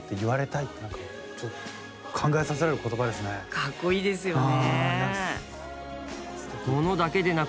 かっこいいですよね。